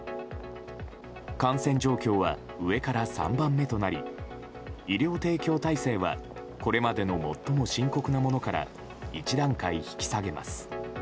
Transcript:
感染状況は上から３番目となり医療提供体制はこれまでの最も深刻なものから１段階引き下げます。